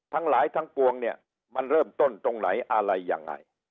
ทั้งหลายทั้งปวงเนี่ยมันเริ่มต้นตรงไหนอะไรยังไง